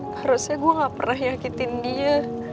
harusnya gue gak pernah yakin dia